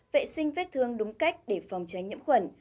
vệ sinh vết thương đúng cách để phòng tránh nhiễm khuẩn